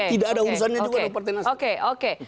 tidak ada urusannya juga dengan partai nasdem oke oke